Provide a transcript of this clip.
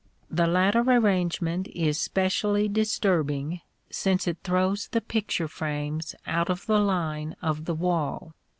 The latter arrangement is specially disturbing since it throws the picture frames out of the line of the wall.